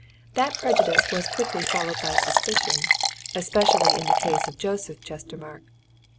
That prejudice was quickly followed by suspicion especially in the case of Joseph Chestermarke.